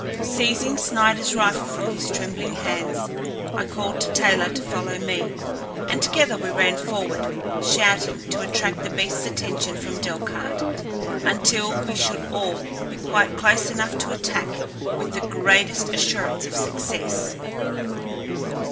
Seizing Sniderl's rifle from his trembling hands, I called to Taylor to follow me, and together we ran forward, shouting, to attract the beastl's attention from Delcarte until we should all be quite close enough to attack with the greatest assurance of success.